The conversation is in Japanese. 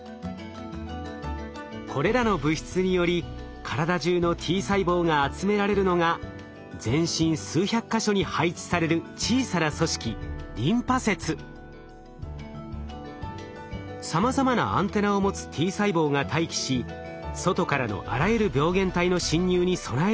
これらの物質により体じゅうのＴ細胞が集められるのが全身数百か所に配置される小さな組織さまざまなアンテナを持つＴ細胞が待機し外からのあらゆる病原体の侵入に備えることができるのです。